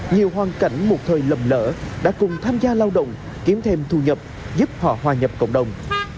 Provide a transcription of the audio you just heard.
nhiều hoàn cảnh một thời lầm lỡ đã cùng tham gia lao động kiếm thêm thu nhập giúp họ hòa nhập cộng đồng